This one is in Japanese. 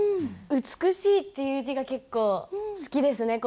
「美しい」っていう字が結構好きですね。